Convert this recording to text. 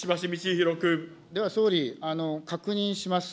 では総理、確認します。